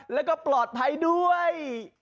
แล้วก็ปลอดภัยด้วย